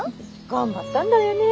頑張ったんだよね。